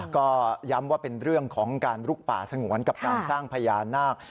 ก็ย้ำว่าเป็นเรื่องของการลุกป่าสงวนกับการสร้างพญานาค